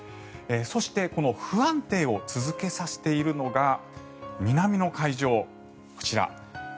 そして不安定を続けさせているのが南の海上、こちら。